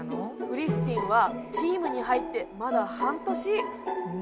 クリスティンはチームに入ってまだ半年。